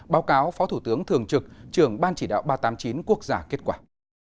báo cáo phó thủ tướng thường trực trưởng ban chỉ đạo ba trăm tám mươi chín quốc gia kết quả